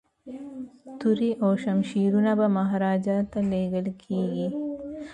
توري او شمشیرونه به مهاراجا ته لیږل کیږي.